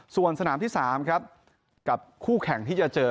ส่วนสนามที่๓ครับกับคู่แข่งที่จะเจอ